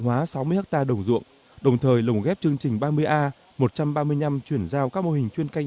hóa sáu mươi hectare đồng ruộng đồng thời lồng ghép chương trình ba mươi a một trăm ba mươi năm chuyển giao các mô hình chuyên canh